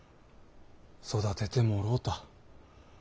育ててもろうた。